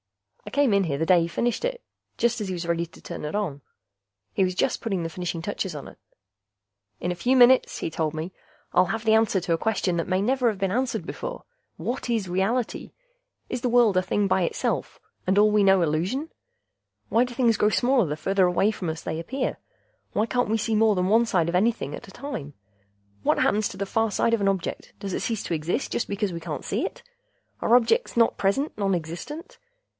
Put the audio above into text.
I came in here the day he finished it, just as he was ready to turn it on. He was just putting the finishing touches on it. "In a few minutes," he told me, "I'll have the answer to a question that may never have been answered before: what is reality? Is the world a thing by itself, and all we know illusion? Why do things grow smaller the farther away from us they appear? Why can't we see more than one side of anything at a time? What happens to the far side of an object; does it cease to exist just because we can't see it? Are objects not present nonexistent?